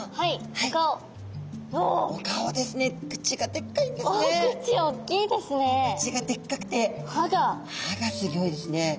歯がすギョいですね。